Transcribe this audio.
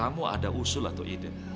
kamu ada usul atau ide